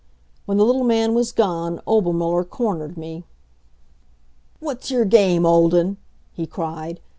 When the little man was gone, Obermuller cornered me. "What's your game, Olden?" he cried.